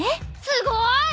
すごーい！